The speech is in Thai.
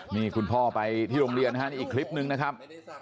นี่คุณพ่อไปที่โรงเรียนนะฮะนี่อีกคลิปนึงนะครับ